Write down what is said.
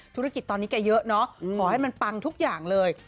ธุรกิจตอนนี้แกเยอะเนาะขอให้มันปังทุกอย่างเลย